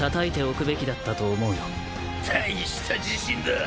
大した自信だ。